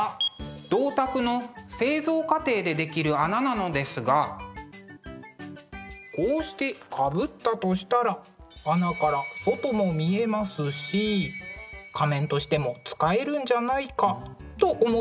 銅鐸の製造過程で出来る穴なのですがこうしてかぶったとしたら穴から外も見えますし仮面としても使えるんじゃないかと思ったのです。